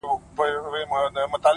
هغه د ساه کښلو لپاره جادوگري غواړي _